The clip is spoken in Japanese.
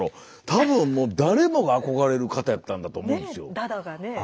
多分もう誰もが憧れる方やったんだと思うんですよ。ねぇ。